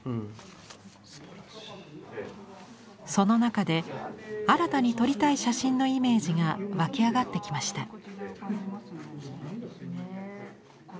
その中で新たに撮りたい写真のイメージが湧き上がってきました。